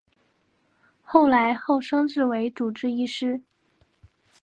后来侯升任为主治医师。